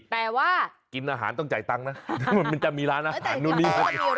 แต่ว่ากินอาหารต้องจ่ายตังค์นะมันจะมีร้านอาหารนู่นนี่